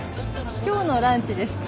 今日のランチですか？